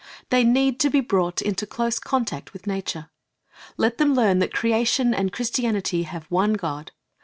They need to be brought into close contact with nature. Let them learn that creation and Christianity have one God.